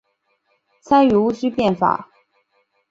参与戊戌变法。